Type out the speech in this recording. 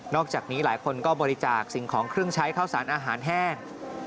อกจากนี้หลายคนก็บริจาคสิ่งของเครื่องใช้ข้าวสารอาหารแห้ง